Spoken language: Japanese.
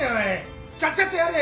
ちゃっちゃとやれ！